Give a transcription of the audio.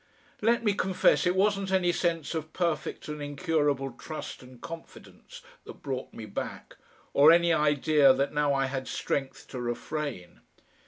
Let me confess it wasn't any sense of perfect and incurable trust and confidence that brought me back, or any idea that now I had strength to refrain.